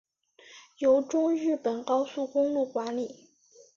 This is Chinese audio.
由中日本高速公路管理。